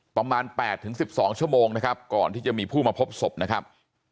ประมาณ๘๑๒ชั่วโมงนะครับก่อนที่จะมีผู้มาพบศพนะครับ